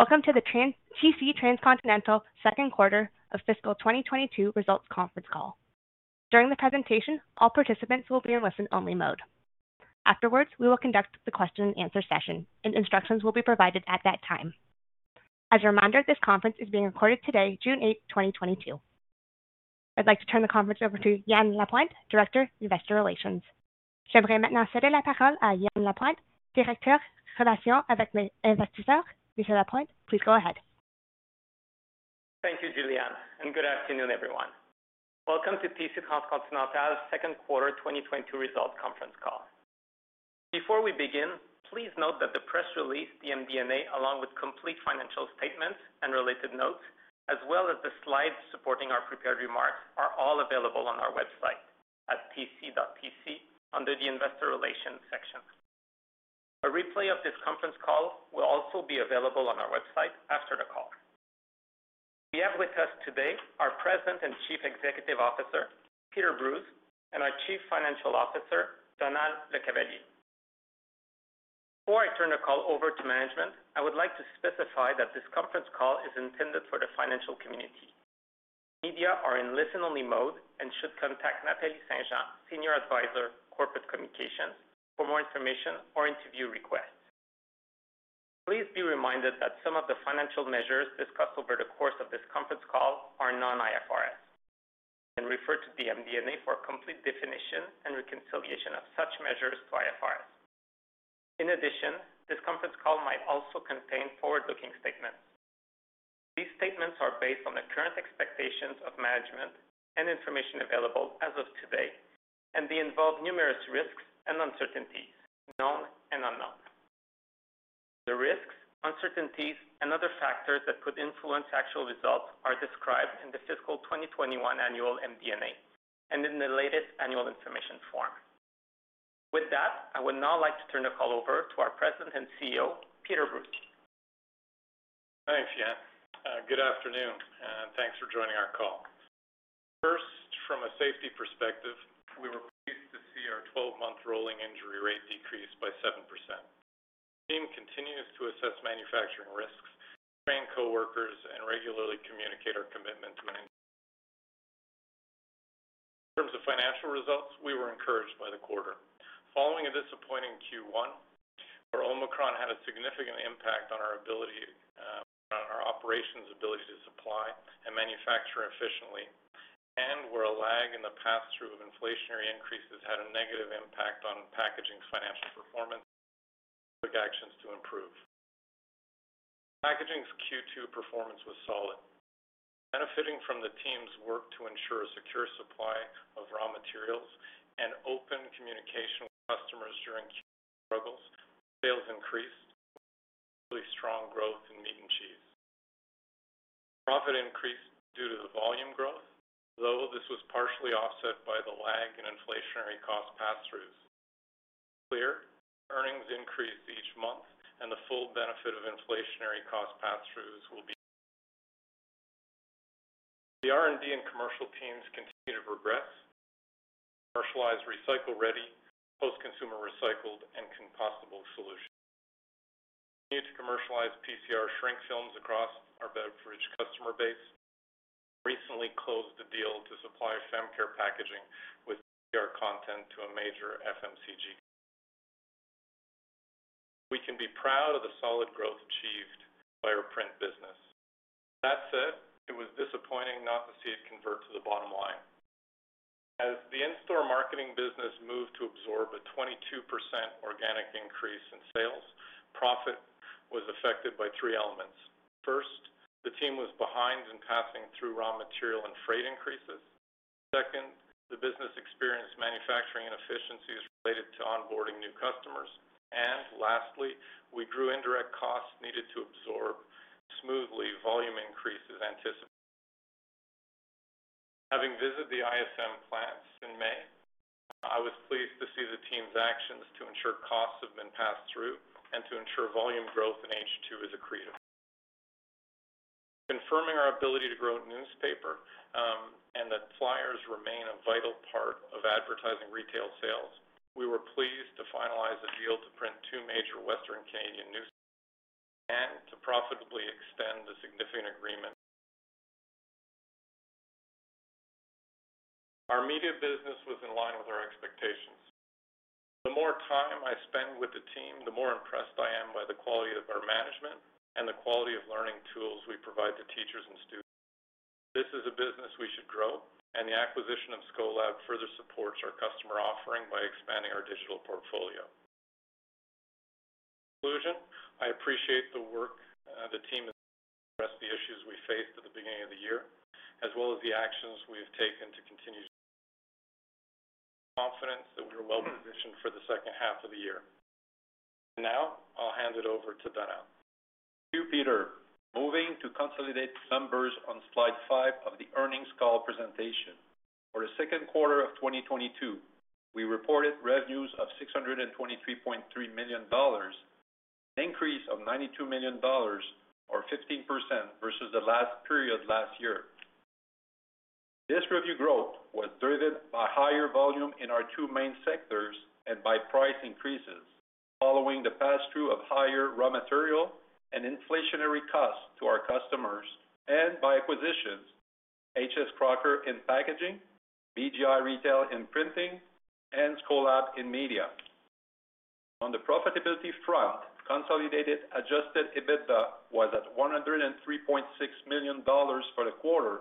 Welcome to the TC Transcontinental second quarter of fiscal 2022 results conference call. During the presentation, all participants will be in listen-only mode. Afterwards, we will conduct the question and answer session, and instructions will be provided at that time. As a reminder, this conference is being recorded today, June 8, 2022. I'd like to turn the conference over to Yan Lapointe, Director, Investor Relations. Yan Lapointe, please go ahead. Thank you, Julianne, and good afternoon, everyone. Welcome to TC Transcontinental's second quarter 2022 results conference call. Before we begin, please note that the press release, the MD&A, along with complete financial statements and related notes, as well as the slides supporting our prepared remarks, are all available on our website at tc.tc under the Investor Relations section. A replay of this conference call will also be available on our website after the call. We have with us today our President and Chief Executive Officer, Peter Brues, and our Chief Financial Officer, Donald LeCavalier. Before I turn the call over to management, I would like to specify that this conference call is intended for the financial community. Media are in listen-only mode and should contact Nathalie St-Jean, Senior Advisor, Corporate Communications, for more information or interview requests. Please be reminded that some of the financial measures discussed over the course of this conference call are non-IFRS. You can refer to the MD&A for a complete definition and reconciliation of such measures to IFRS. In addition, this conference call might also contain forward-looking statements. These statements are based on the current expectations of management and information available as of today, and they involve numerous risks and uncertainties, known and unknown. The risks, uncertainties, and other factors that could influence actual results are described in the fiscal 2021 annual MD&A and in the latest annual information form. With that, I would now like to turn the call over to our President and CEO, Peter Brues. Thanks, Yann. Good afternoon, and thanks for joining our call. First, from a safety perspective, we were pleased to see our 12-month rolling injury rate decrease by 7%. The team continues to assess manufacturing risks, train coworkers, and regularly communicate our commitment to. In terms of financial results, we were encouraged by the quarter. Following a disappointing Q1, where Omicron had a significant impact on our operations' ability to supply and manufacture efficiently, and where a lag in the pass-through of inflationary increases had a negative impact on packaging financial performance, we took actions to improve. Packaging's Q2 performance was solid. Benefiting from the team's work to ensure a secure supply of raw materials and open communication with customers during struggles, sales increased, with particularly strong growth in meat and cheese. Profit increased due to the volume growth, though this was partially offset by the lag in inflationary cost pass-throughs. It is clear earnings increased each month, and the full benefit of inflationary cost pass-throughs will be. The R&D and commercial teams continue to progress to commercialize recycle-ready, post-consumer recycled, and compostable solutions. We continue to commercialize PCR shrink films across our beverage customer base and recently closed a deal to supply femcare packaging with PCR content to a major FMCG customer. We can be proud of the solid growth achieved by our print business. That said, it was disappointing not to see it convert to the bottom line. As the in-store marketing business moved to absorb a 22% organic increase in sales, profit was affected by three elements. First, the team was behind in passing through raw material and freight increases. Second, the business experienced manufacturing inefficiencies related to onboarding new customers. Lastly, we grew indirect costs needed to absorb smoothly volume increases anticipated. Having visited the ISM plants in May, I was pleased to see the team's actions to ensure costs have been passed through and to ensure volume growth in H2 is accretive. Confirming our ability to grow newspaper, and that flyers remain a vital part of advertising retail sales, we were pleased to finalize a deal to print two major Western Canadian newspapers and to profitably extend a significant agreement. Our media business was in line with our expectations. The more time I spend with the team, the more impressed I am by the quality of our management and the quality of learning tools we provide to teachers and students. This is a business we should grow, and the acquisition of Scholab further supports our customer offering by expanding our digital portfolio. In conclusion, I appreciate the work, the team has done to address the issues we faced at the beginning of the year, as well as the actions we have taken to continue. I am confident that we are well-positioned for the second half of the year. Now I'll hand it over to Donald. Thank you, Peter. Moving to consolidated numbers on slide five of the earnings call presentation. For the second quarter of 2022, we reported revenues of $623.3 million, an increase of $92 million or 15% versus the last period last year. This revenue growth was driven by higher volume in our two main sectors and by price increases following the pass-through of higher raw material and inflationary costs to our customers and by acquisitions, H.S. Crocker in packaging, BGI Retail in printing, and Scholab in media. On the profitability front, consolidated adjusted EBITDA was at $103.6 million for the quarter,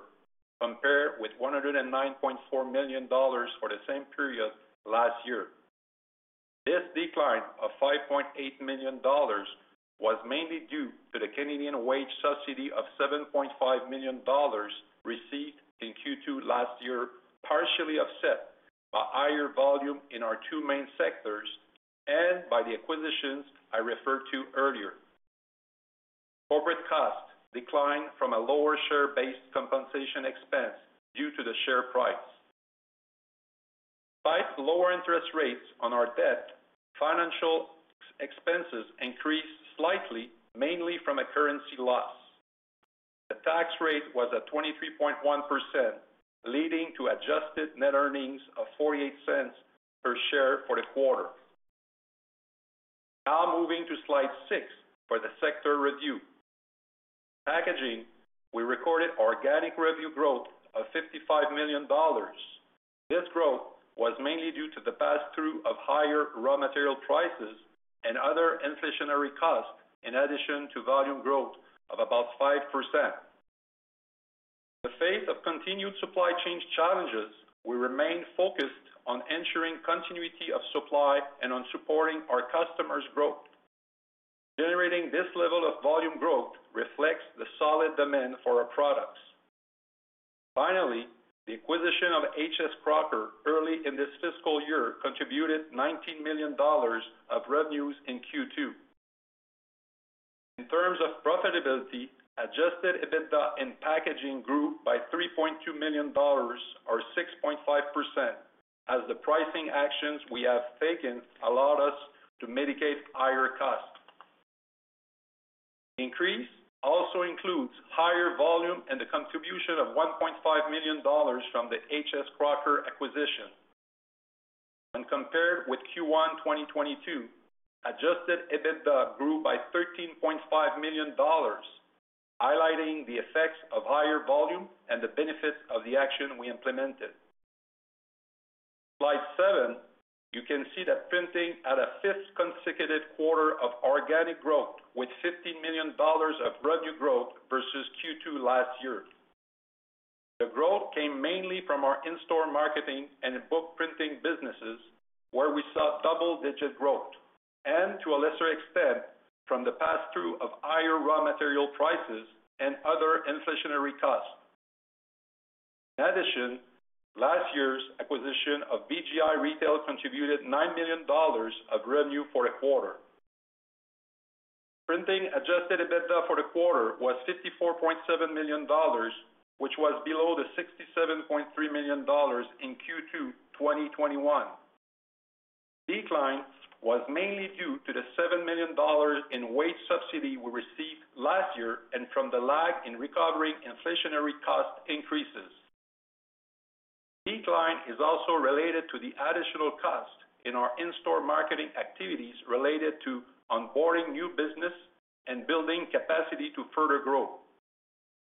compared with $109.4 million for the same period last year. This decline of $5.8 million was mainly due to the Canadian wage subsidy of $7.5 million received in Q2 last year, partially offset by higher volume in our two main sectors and by the acquisitions I referred to earlier. Corporate costs declined from a lower share-based compensation expense due to the share price. Despite lower interest rates on our debt, financial expenses increased slightly, mainly from a currency loss. The tax rate was at 23.1%, leading to adjusted net earnings of 0.48 per share for the quarter. Now moving to slide six for the sector review. Packaging, we recorded organic revenue growth of $55 million. This growth was mainly due to the pass-through of higher raw material prices and other inflationary costs, in addition to volume growth of about 5%. In the face of continued supply chain challenges, we remain focused on ensuring continuity of supply and on supporting our customers' growth. Generating this level of volume growth reflects the solid demand for our products. Finally, the acquisition of H.S. Crocker early in this fiscal year contributed $19 million of revenues in Q2. In terms of profitability, adjusted EBITDA in packaging grew by $3.2 million or 6.5% as the pricing actions we have taken allowed us to mitigate higher costs. Increase also includes higher volume and the contribution of $1.5 million from the H.S. Crocker acquisition. When compared with Q1 2022, adjusted EBITDA grew by $13.5 million, highlighting the effects of higher volume and the benefits of the action we implemented. Slide seven, you can see that printing had a fifth consecutive quarter of organic growth with $50 million of revenue growth versus Q2 last year. The growth came mainly from our in-store marketing and book printing businesses, where we saw double-digit growth, and to a lesser extent from the pass-through of higher raw material prices and other inflationary costs. In addition, last year's acquisition of BGI Retail contributed $9 million of revenue for the quarter. Printing adjusted EBITDA for the quarter was $54.7 million, which was below the $67.3 million in Q2 2021. Decline was mainly due to the $7 million in wage subsidy we received last year and from the lag in recovering inflationary cost increases. Decline is also related to the additional cost in our in-store marketing activities related to onboarding new business and building capacity to further growth.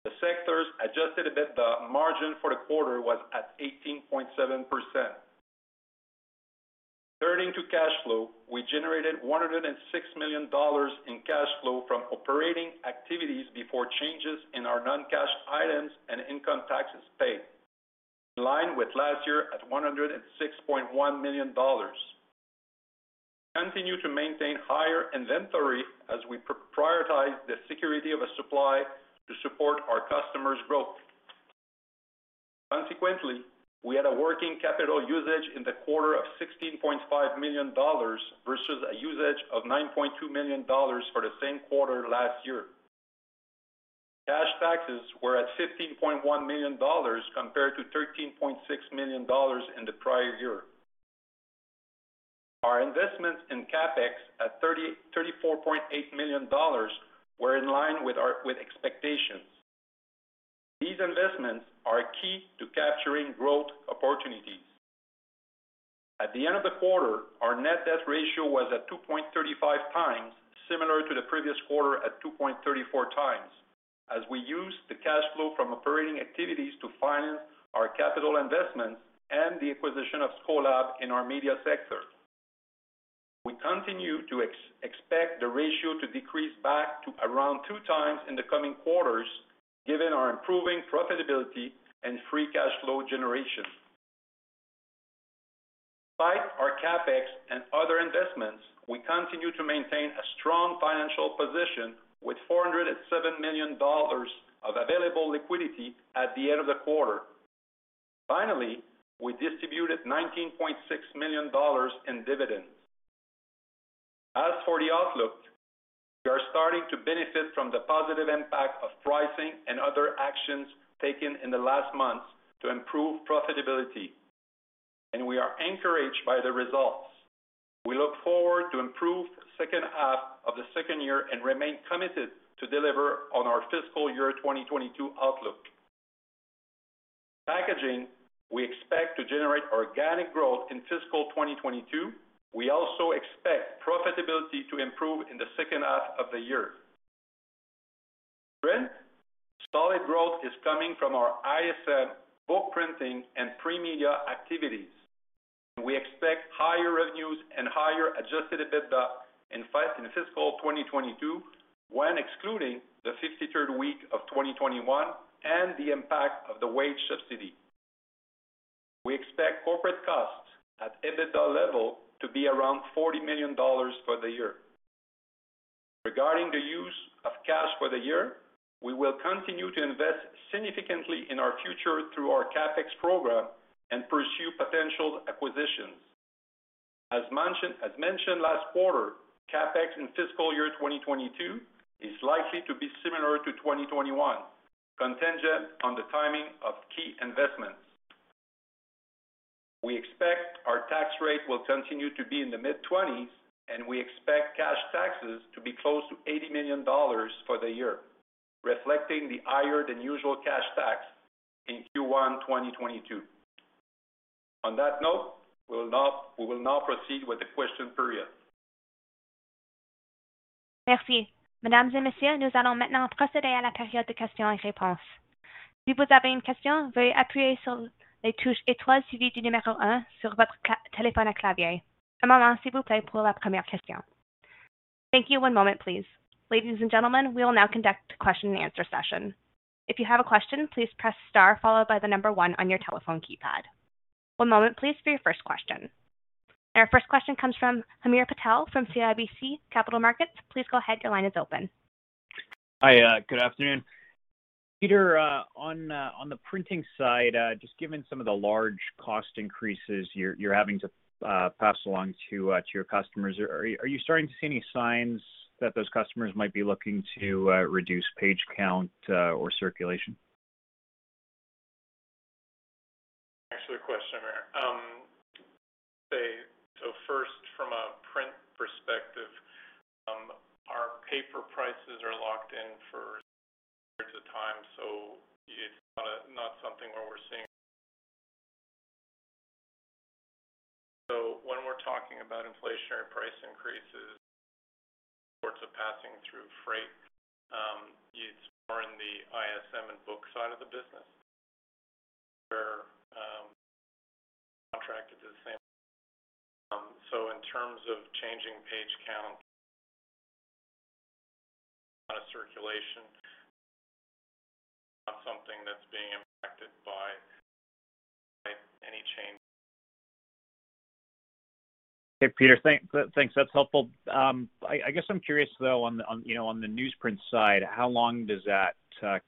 The sector's adjusted EBITDA margin for the quarter was at 18.7%. Turning to cash flow, we generated $106 million in cash flow from operating activities before changes in our non-cash items and income taxes paid, in line with last year at $106.1 million. We continue to maintain higher inventory as we prioritize the security of a supply to support our customers' growth. Consequently, we had a working capital usage in the quarter of $16.5 million versus a usage of $9.2 million for the same quarter last year. Cash taxes were at $15.1 million compared to $13.6 million in the prior year. Our investments in CapEx at $34.8 million were in line with our expectations. These investments are key to capturing growth opportunities. At the end of the quarter, our net debt ratio was at 2.35 times, similar to the previous quarter at 2.34 times as we used the cash flow from operating activities to finance our capital investments and the acquisition of Scolab in our media sector. We continue to expect the ratio to decrease back to around two times in the coming quarters, given our improving profitability and free cash flow generation. Despite our CapEx and other investments, we continue to maintain a strong financial position with $407 million of available liquidity at the end of the quarter. Finally, we distributed $19.6 million in dividends. As for the outlook, we are starting to benefit from the positive impact of pricing and other actions taken in the last months to improve profitability. We are encouraged by the results. We look forward to improved second half of the second year and remain committed to deliver on our fiscal year 2022 outlook. Packaging, we expect to generate organic growth in fiscal 2022. We also expect profitability to improve in the second half of the year. Printing, solid growth is coming from our ISM, book printing and pre-media activities. We expect higher revenues and higher adjusted EBITDA in fiscal 2022 when excluding the 53rd week of 2021 and the impact of the wage subsidy. We expect corporate costs at EBITDA level to be around $40 million for the year. Regarding the use of cash for the year, we will continue to invest significantly in our future through our CapEx program and pursue potential acquisitions. As mentioned last quarter, CapEx in fiscal year 2022 is likely to be similar to 2021, contingent on the timing of key investments. We expect our tax rate will continue to be in the mid-20s, and we expect cash taxes to be close to $80 million for the year, reflecting the higher than usual cash tax in Q1 2022. On that note, we will now proceed with the question period. Thank you. One moment, please. Ladies and gentlemen, we will now conduct the question and answer session. If you have a question, please press star followed by the number one on your telephone keypad. One moment please for your first question. Our first question comes from Hamir Patel from CIBC Capital Markets. Please go ahead. Your line is open. Hi. Good afternoon. Peter, on the printing side, just given some of the large cost increases you're having to pass along to your customers, are you starting to see any signs that those customers might be looking to reduce page count or circulation? Thanks for the question. First, from a print perspective, our paper prices are locked in for periods of time, so it's not something where we're seeing. When we're talking about inflationary price increases, sort of passing through freight, it's more in the ISM and book side of the business where contracted to the same. In terms of changing page count circulation, not something that's being impacted by any change. Okay, Peter, thanks. That's helpful. I guess I'm curious though, on you know, on the newsprint side, how long does that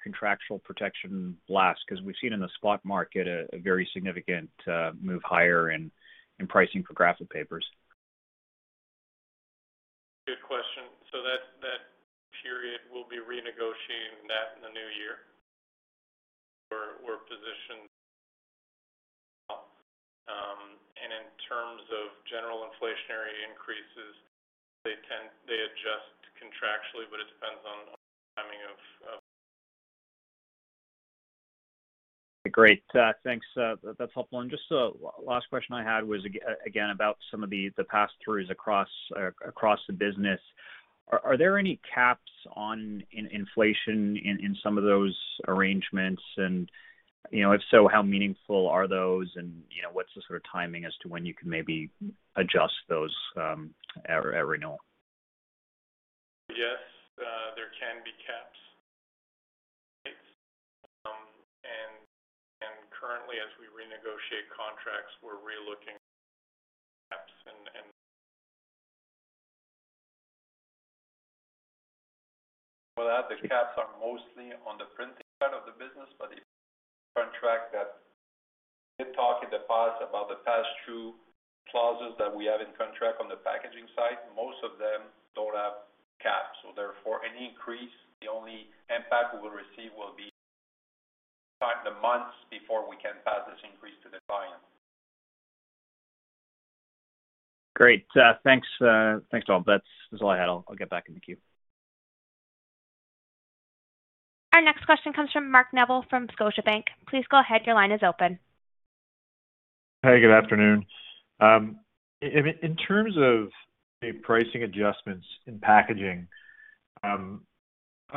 contractual protection last? Because we've seen in the spot market a very significant move higher in pricing for graphic papers. Good question. That period, we'll be renegotiating that in the new year. We're positioned. In terms of general inflationary increases, they tend to adjust contractually, but it depends on the timing of. Great. Thanks. That's helpful. Just last question I had was again about some of the pass-throughs across the business. Are there any caps on inflation in some of those arrangements? You know, if so, how meaningful are those? You know, what's the sort of timing as to when you can maybe adjust those at renewal? Yes, there can be caps. Currently, as we renegotiate contracts, we're relooking caps. For that, the caps are mostly on the printing side of the business. The contracts that we did talk in the past about the pass-through clauses that we have in contracts on the packaging side, most of them don't have caps. Therefore, any increase, the only impact we will receive will be the months before we can pass this increase to the client. Great. Thanks. Thanks all. That's all I had. I'll get back in the queue. Our next question comes from Mark Neville from Scotiabank. Please go ahead. Your line is open. Hey, good afternoon. In terms of the pricing adjustments in packaging, I'm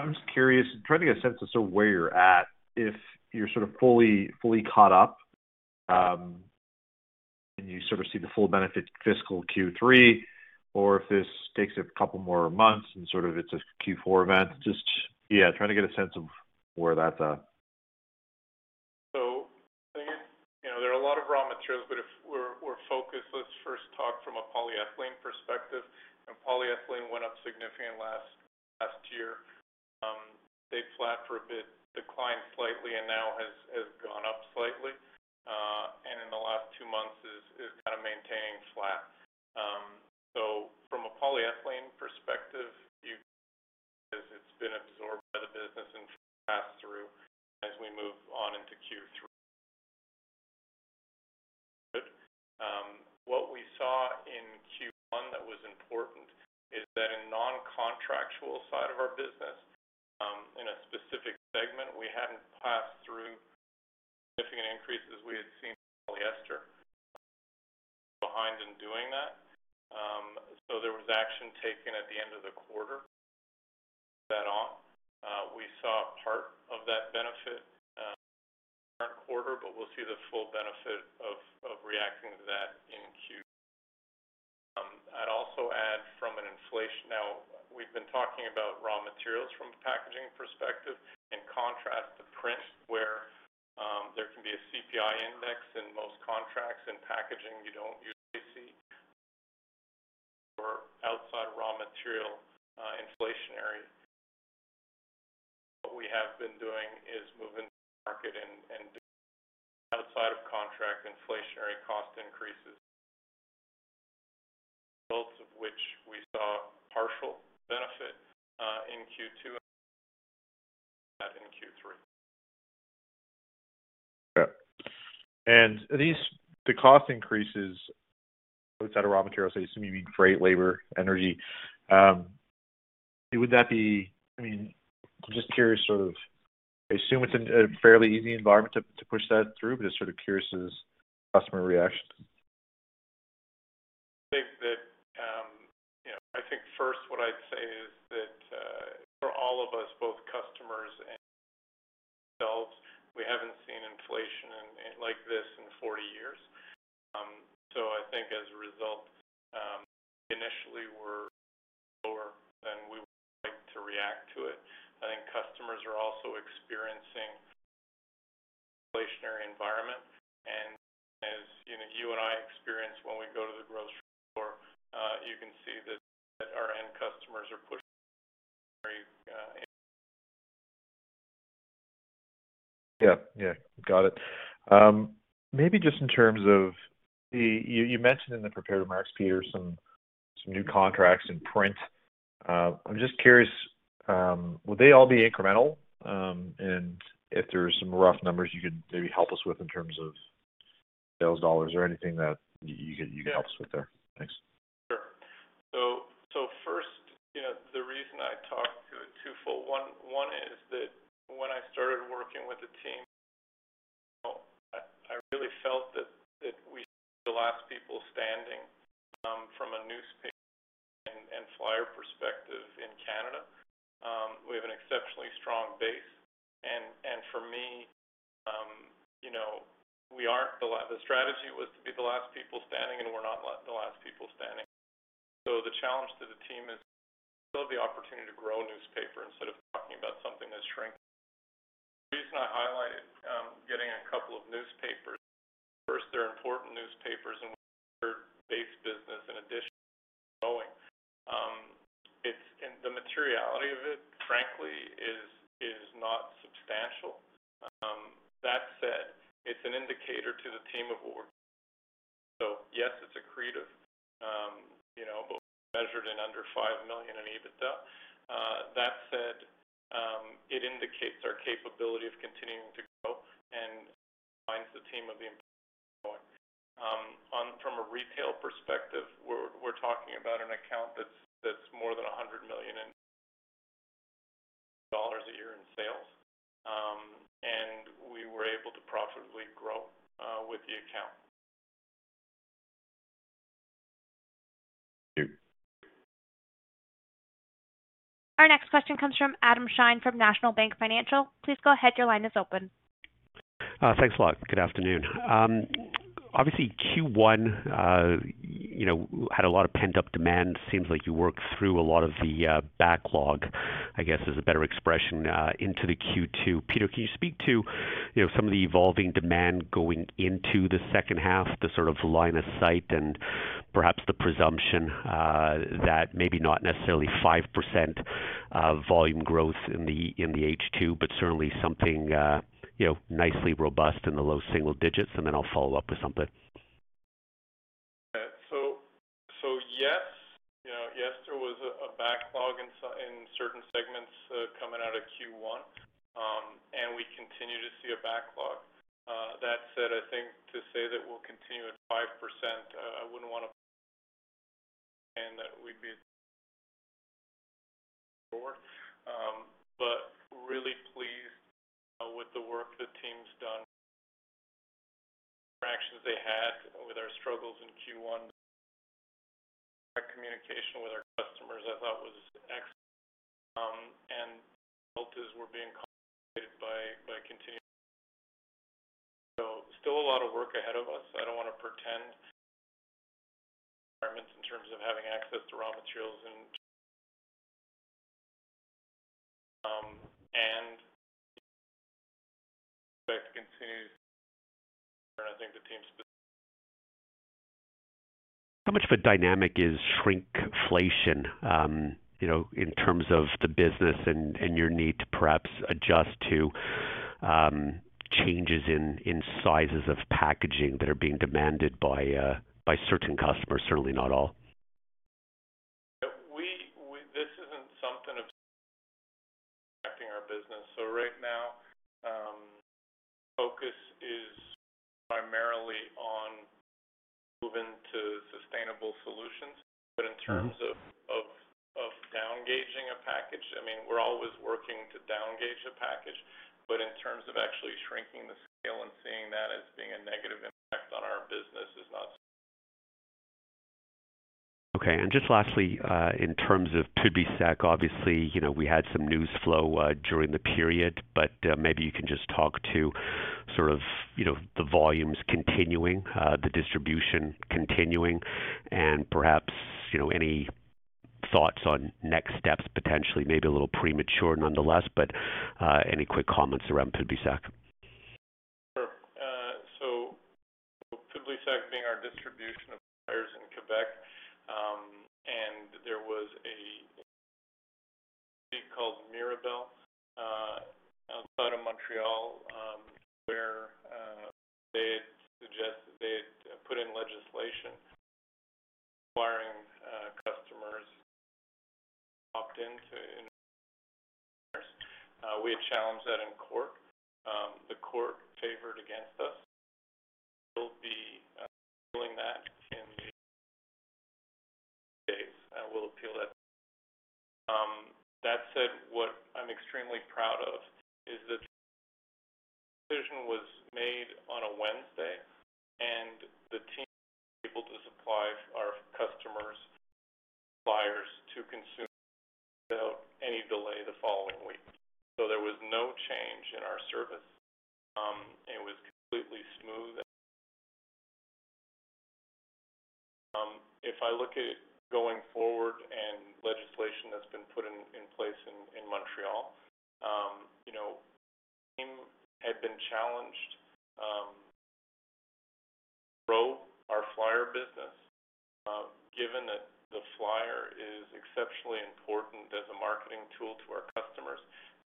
just curious, trying to get a sense of sort of where you're at, if you're sort of fully caught up, and you sort of see the full benefit fiscal Q3, or if this takes a couple more months and sort of it's a Q4 event. Just, yeah, trying to get a sense of where that's at. You know, there are a lot of raw materials, but if we're focused, let's first talk from a polyethylene perspective. Polyethylene went up significantly last year. Stayed flat for a bit, declined slightly, and now has gone up slightly, and in the last two months is kind of maintaining flat. From a polyethylene perspective, as we move on into Q3. What we saw in Q1 that was important is that in non-contractual side of our business, in a specific segment, we hadn't passed through significant increases we had seen in polyester. We were behind in doing that. There was action taken at the end of the quarter to move that on. We saw part of that benefit in the current quarter, but we'll see the full benefit of reacting to that in Q3. I'd also add from an inflation. Now, we've been talking about raw materials from a packaging perspective. In contrast to print where, there can be a CPI index in most contracts. In packaging, you don't usually see. There are other areas that are outside raw material, inflationary. What we have been doing is moving through the market and doing outside of contract inflationary cost increases. The results of which we saw partial benefit, in Q2, and we'll see more of that in Q3. Yeah. These cost increases outside of raw materials, I assume you mean freight, labor, energy. I mean, I'm just curious, sort of, I assume it's a fairly easy environment to push that through, but just sort of curious as to customer reactions. I think that, you know, I think first what I'd say is that, for all of us, both customers and ourselves, we haven't seen inflation in, like this in 40 years. So I think as a result, we initially were slower than we would have liked to react to it. I think customers are also experiencing an inflationary environment. As you know, you and I experience when we go to the grocery store, you can see that our end customers are pushing through inflationary increases. Yeah. Got it. Maybe just in terms of the, you mentioned in the prepared remarks, Peter, some new contracts in print. I'm just curious, would they all be incremental? If there are some rough numbers you could maybe help us with in terms of sales dollars or anything that you could help us with there. Thanks. Sure. First, you know, the reason I talked to it to for. One is that when I started working with the team, you know, I really felt that we could be the last people standing from a newspaper and flyer perspective in Canada. We have an exceptionally strong base. For me, you know, we aren't the last people standing. The strategy was to be the last people standing, and we're not the last people standing. The challenge to the team is there's still the opportunity to grow newspaper instead of talking about something that's shrinking. The reason I highlighted getting a couple of newspapers is, first, they're important newspapers, and we're in their base business in addition to what we're growing. The materiality of it, frankly, is not substantial. That said, it's an indicator to the team of where we're going. Yes, it's accretive, you know, but when measured in under 5 million in EBITDA. That said, it indicates our capability of continuing to grow and reminds the team of the importance of what we're growing. From a retail perspective, we're talking about an account that's more than $100 million a year in sales. We were able to profitably grow with the account. Thank you. Our next question comes from Adam Shine from National Bank Financial. Please go ahead. Your line is open. Thanks a lot. Good afternoon. Obviously Q1, you know, had a lot of pent-up demand. Seems like you worked through a lot of the backlog, I guess, is a better expression into the Q2. Peter, can you speak to, you know, some of the evolving demand going into the second half, the sort of line of sight and perhaps the presumption that maybe not necessarily 5% volume growth in the H2, but certainly something, you know, nicely robust in the low single digits? I'll follow up with something. Yes. You know, yes, there was a backlog in certain segments coming out of Q1. We continue to see a backlog. That said, I think to say that we'll continue at 5%, I wouldn't want to pretend that we'd be at 5% going forward. But really pleased with the work the team's done. The interactions they had with our struggles in Q1. The direct communication with our customers I thought was excellent. The result is we're being compensated by continuing to grow. Still a lot of work ahead of us. I don't want to pretend that we don't have some challenging environments in terms of having access to raw materials and just general inflationary pressures. We expect to continue to see that through the rest of the year, and I think the team's delivering. How much of a dynamic is shrinkflation, you know, in terms of the business and your need to perhaps adjust to changes in sizes of packaging that are being demanded by certain customers, certainly not all? This isn't something of our business. Right now, focus is primarily on moving to sustainable solutions. In terms of down-gauging a package, I mean, we're always working to down-gauge a package, but in terms of actually shrinking the scale and seeing that as being a negative impact on our business is not. Okay. Just lastly, in terms of Publisac, obviously, you know, we had some news flow during the period, but maybe you can just talk to sort of, you know, the volumes continuing, the distribution continuing, and perhaps, you know, any thoughts on next steps, potentially, maybe a little premature nonetheless, but any quick comments around Publisac? Sure. Publisac being our distribution of flyers in Quebec, there was a city called Mirabel outside of Montreal, where they had put in legislation requiring customers opt in to flyers. We had challenged that in court. The court favored against us. We'll be appealing that in the coming days. We'll appeal it. That said, what I'm extremely proud of is the decision was made on a Wednesday, and the team was able to supply our customers flyers to consumers without any delay the following week. There was no change in our service. It was completely smooth. If I look at it going forward and legislation that's been put in place in Montreal, you know, the team had been challenged to grow our flyer business, given that the flyer is exceptionally important as a marketing tool to our customers,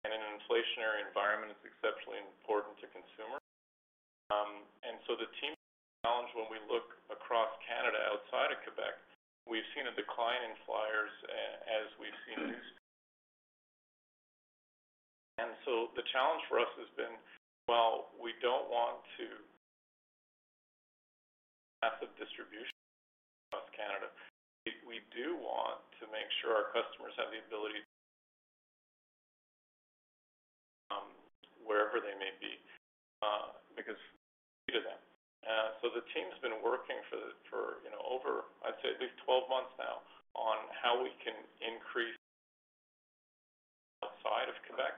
and in an inflationary environment, it's exceptionally important to consumers. The team's challenge when we look across Canada, outside of Quebec, we've seen a decline in flyers as we've seen. The challenge for us has been, while we don't want too massive distribution across Canada, we do want to make sure our customers have the ability wherever they may be, because. The team's been working for, you know, over, I'd say at least 12 months now, on how we can increase outside of Quebec.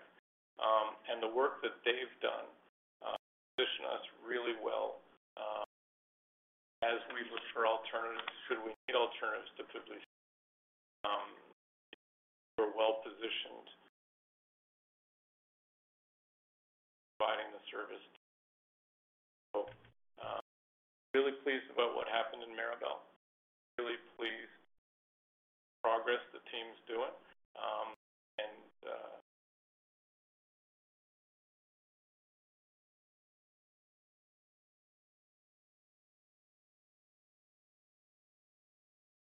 The work that they've done positions us really well as we look for alternatives should we need alternatives to Publisac. We're well-positioned providing the service. Really pleased about what happened in Mirabel. Really pleased with the progress the team's doing.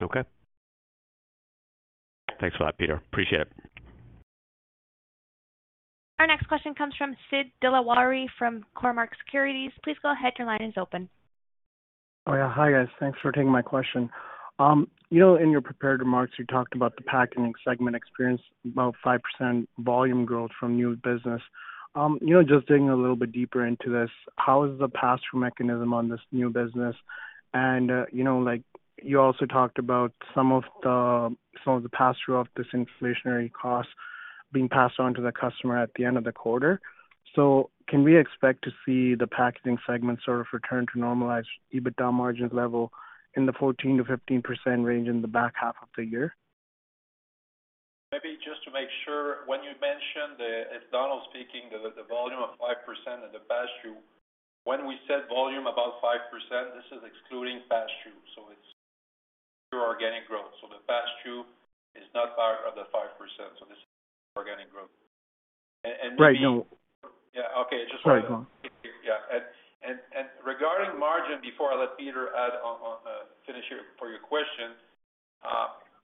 Okay. Thanks a lot, Peter. Appreciate it. Our next question comes from Sid Dilawari from Cormark Securities. Please go ahead, your line is open. Oh, yeah. Hi, guys. Thanks for taking my question. You know, in your prepared remarks, you talked about the packaging segment experiencing about 5% volume growth from new business. You know, just digging a little bit deeper into this, how is the pass-through mechanism on this new business? You know, like, you also talked about some of the pass-through of this inflationary cost being passed on to the customer at the end of the quarter. Can we expect to see the packaging segment sort of return to normalized EBITDA margins level in the 14%-15% range in the back half of the year? Maybe just to make sure, when you mention. It's Donald speaking, the volume of 5% and the pass-through. When we said volume about 5%, this is excluding pass-through. It's pure organic growth. The pass-through is not part of the 5%. This is organic growth. Right. No. Yeah. Okay. Just wanted to. Right. Yeah. Regarding margin, before I let Peter add on to finish your question,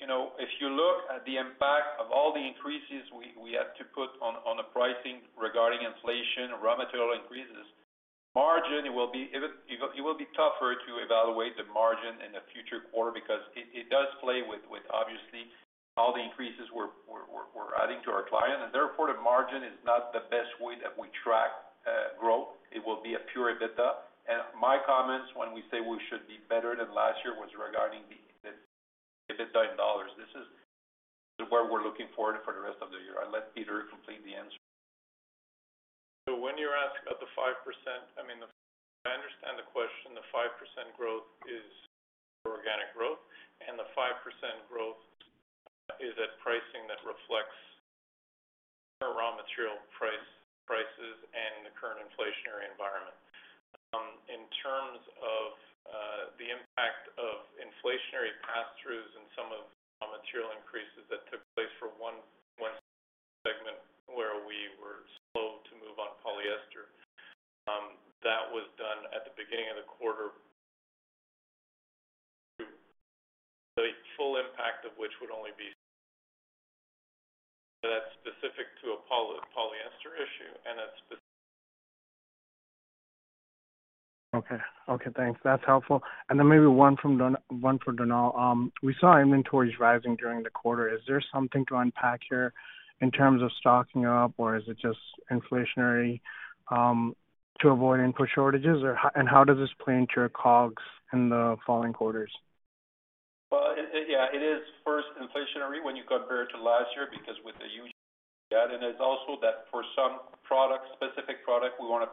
you know, if you look at the impact of all the increases we had to put on the pricing regarding inflation, raw material increases, margin, it will be tougher to evaluate the margin in the future quarter because it does play with obviously all the increases we're adding to our client. Therefore, the margin is not the best way that we track growth. It will be a pure EBITDA. My comments when we say we should be better than last year was regarding the EBITDA in dollars. This is where we're looking for it for the rest of the year. I'll let Peter complete the answer. When you ask about the 5%, if I understand the question, the 5% growth is organic growth, and the 5% growth is at pricing that reflects current raw material prices and the current inflationary environment. In terms of the impact of inflationary pass-throughs and some of the raw material increases that took place, for one, we were slow to move on polyester. That was done at the beginning of the quarter. The full impact of which would only be that's specific to a polyester issue. Okay, thanks. That's helpful. Maybe one for Donald LeCavalier. We saw inventories rising during the quarter. Is there something to unpack here in terms of stocking up, or is it just inflationary to avoid input shortages? How does this play into your COGS in the following quarters? Well, yeah, it is first inflationary when you compare it to last year, because it's also that for some products, specific product, we wanna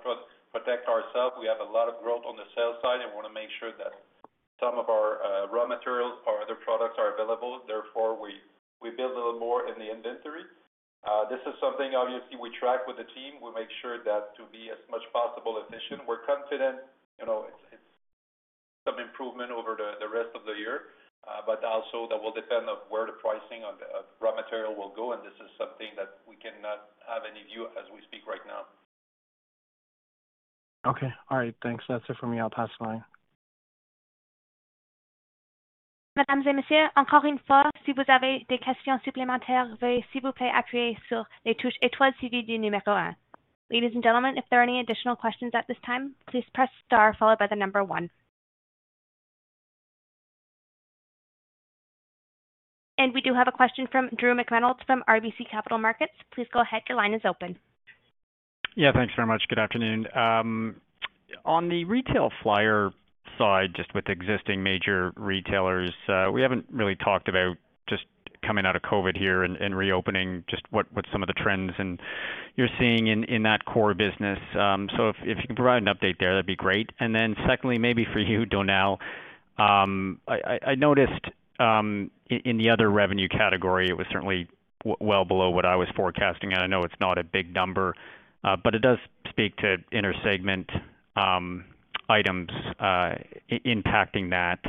protect ourselves. We have a lot of growth on the sales side and wanna make sure that some of our raw materials or other products are available. Therefore, we build a little more in the inventory. This is something obviously we track with the team. We make sure to be as efficient as possible. We're confident, you know, it's some improvement over the rest of the year, but also that will depend on where the pricing of raw material will go and this is something that we cannot have any view as we speak right now. Okay. All right. Thanks. That's it for me. I'll pass the line. Ladies and gentlemen, if there are any additional questions at this time, please press star followed by the number one. We do have a question from Drew McReynolds from RBC Capital Markets. Please go ahead, your line is open. Yeah, thanks very much. Good afternoon. On the retail flyer side, just with existing major retailers, we haven't really talked about just coming out of COVID here and reopening, just what some of the trends and you're seeing in that core business. If you can provide an update there, that'd be great. Secondly, maybe for you, Donald, I noticed in the other revenue category, it was certainly well below what I was forecasting. I know it's not a big number, but it does speak to inter-segment items impacting that.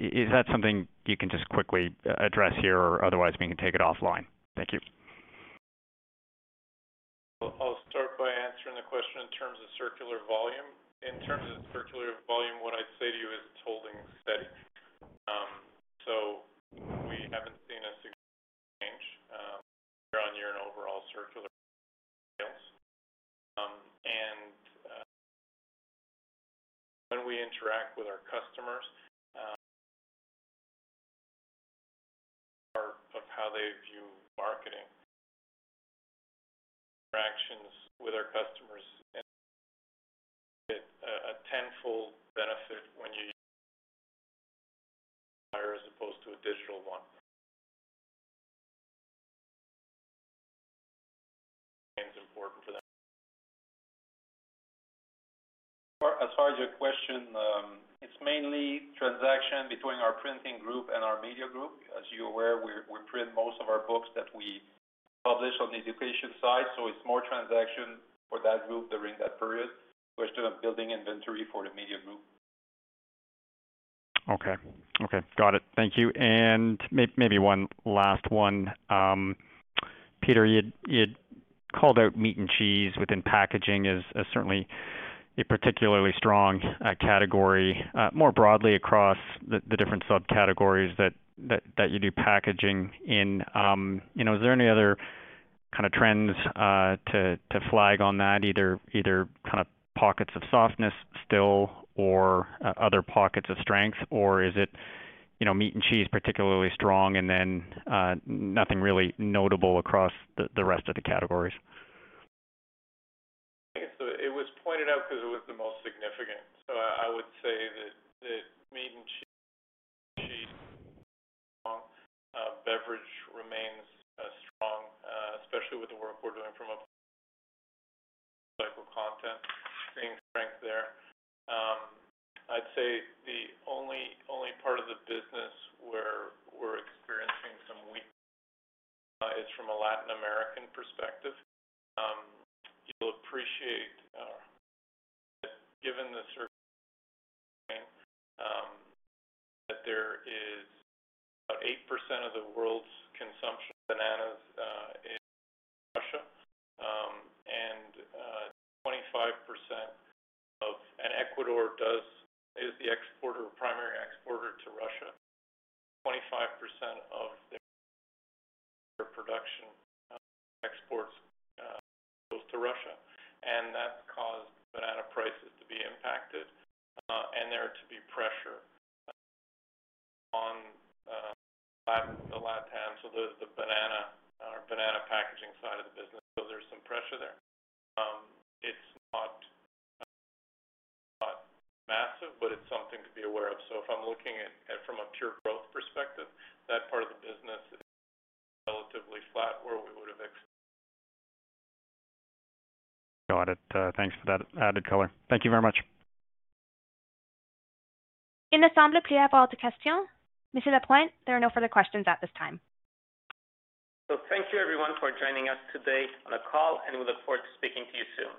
Is that something you can just quickly address here or otherwise we can take it offline? Thank you. I'll start by answering the question in terms of circular volume. In terms of circular volume, what I'd say to you is it's holding steady. We haven't seen a significant change year-over-year in overall circular sales. When we interact with our customers, part of how they view marketing. Interactions with our customers a tenfold benefit when you as opposed to a digital one. Important to them. As far as your question, it's mainly transactions between our printing group and our media group. As you're aware, we print most of our books that we publish on the education side, so it's more transactions for that group during that period. We're still building inventory for the media group. Okay. Got it. Thank you. Maybe one last one. Peter, you had called out meat and cheese within packaging as certainly a particularly strong category. More broadly across the different subcategories that you do packaging in, you know, is there any other kind of trends to flag on that, either kind of pockets of softness still or other pockets of strength, or is it, you know, meat and cheese particularly strong and then nothing really notable across the rest of the categories? It was pointed out because it was the most significant. I would say that meat and cheese beverage remains strong, especially with the work we're doing Cycle content, seeing strength there. I'd say the only part of the business where we're experiencing some weakness is from a Latin American perspective. You'll appreciate that there is 8% of the world's consumption of bananas in Russia. Ecuador is the primary exporter to Russia. 25% of their production goes to Russia. That's caused banana prices to be impacted and there to be pressure on the LatAm. The banana packaging side of the business. There's some pressure there. It's not massive, but it's something to be aware of. If I'm looking at from a pure growth perspective, that part of the business is relatively flat where we would have ex- Got it. Thanks for that added color. Thank you very much. There are no further questions at this time. Thank you everyone for joining us today on the call, and we look forward to speaking to you soon.